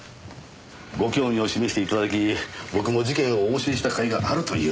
ご興味を示して頂き僕も事件をお教えした甲斐があるというものです。